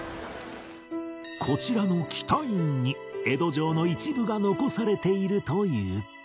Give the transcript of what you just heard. こちらの喜多院に江戸城の一部が残されているという